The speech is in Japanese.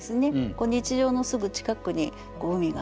日常のすぐ近くに海がある。